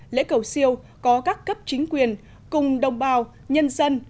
lễ cầu siêu có các cấp chính quyền cùng đồng bào nhân dân